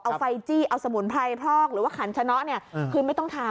เอาไฟจี้เอาสมุนไพรพรกหรือว่าขันชะเนาะคือไม่ต้องทาน